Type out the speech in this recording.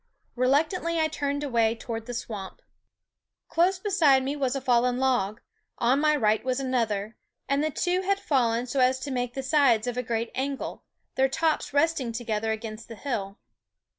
Reluctantly I turned <Parfr/d&s* away toward the swamp. Roll Call Close beside me was a fallen log; on my right was another; and the two had fallen so as to make the sides of a great angle, their tops resting together against the hill.